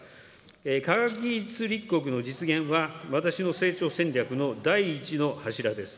科学技術立国の実現は、私の成長戦略の第１の柱です。